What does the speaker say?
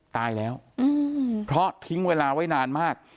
ตายแล้วเพราะทิ้งเวลาไว้นานมาก